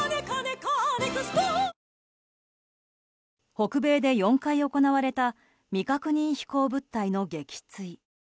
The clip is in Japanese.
北米で４回行われた未確認飛行物体の撃墜。